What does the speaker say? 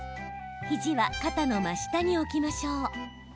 肘は肩の真下に置きましょう。